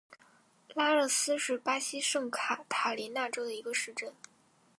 拉热斯是巴西圣卡塔琳娜州的一个市镇。